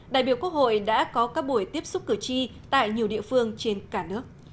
đại biểu quốc hội đã có các buổi tiếp xúc cử tri tại nhiều địa phương trên cả nước